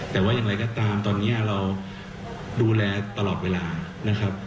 แต่ว่าอย่างไรก็ตามตอนนี้เราดูแลตลอดเวลานะครับ